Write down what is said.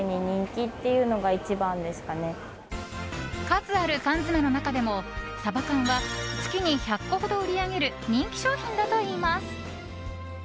数ある缶詰の中でも、サバ缶は月に１００個ほど売り上げる人気商品だといいます。